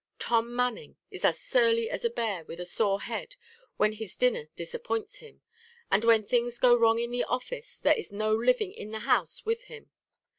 Tom Manning is as surly as a bear with a sore head when his dinner disappoints him; and when things go wrong in the office there is no living in the house with him.